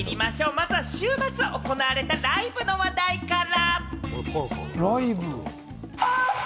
まずは週末行われたライブの話題から！